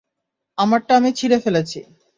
আমারটা আমি ছিঁড়ে ফেলেছি।